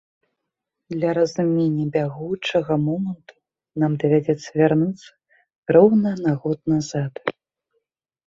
Для разумення бягучага моманту нам давядзецца вярнуцца роўна на год назад.